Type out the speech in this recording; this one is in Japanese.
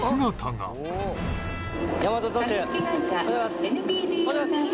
そこにおはようございます。